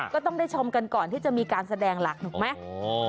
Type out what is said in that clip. ก็ต้องได้ชมกันก่อนที่จะมีการแสดงหลักถูกไหม